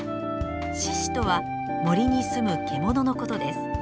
「しし」とは森にすむ獣のことです。